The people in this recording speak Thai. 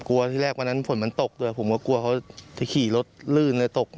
ที่แรกวันนั้นฝนมันตกด้วยผมก็กลัวเขาจะขี่รถลื่นเลยตก